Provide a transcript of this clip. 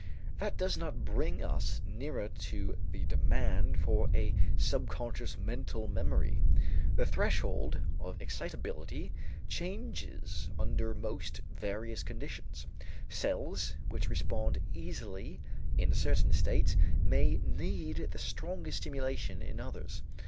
That does not bring us nearer to the demand for a subconscious mental memory. The threshold of excitability changes under most various conditions. Cells which respond easily in certain states may need the strongest stimulation in others.